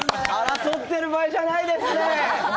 争ってる場合じゃないですよ。